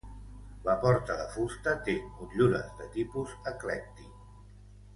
La porta de fusta té motllures de tipus eclèctic.